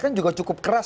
kan juga cukup keras kan